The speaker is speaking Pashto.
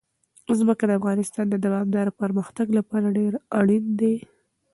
ځمکه د افغانستان د دوامداره پرمختګ لپاره ډېر اړین دي.